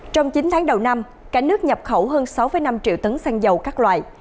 trong chín tháng đầu năm cả nước nhập khẩu hơn sáu năm triệu tấn xăng dầu các loại